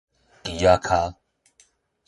旗仔跤